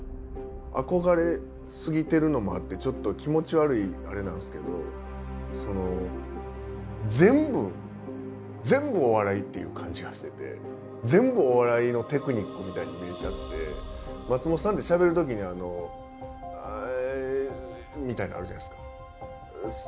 憧れすぎてるのもあってちょっと気持ち悪いあれなんすけどその全部全部お笑いっていう感じがしてて全部お笑いのテクニックみたいに見えちゃって松本さんってしゃべる時にあの「ええ」みたいなのあるじゃないですか。